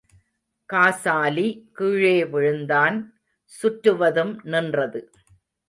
காசாலி கீழே விழுந்தான், சுற்றுவதும் நின்றது.